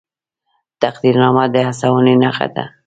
تقدیرنامه د هڅونې نښه ده